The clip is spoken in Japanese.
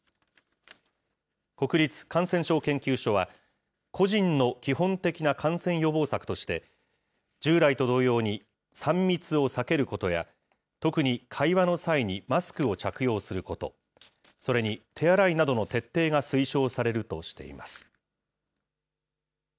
国立感染症研究所は、個人の基本的な感染予防策として、従来と同様に、３密を避けることや、特に会話の際にマスクを着用すること、それに手洗いなどの徹底が推奨されるとしています。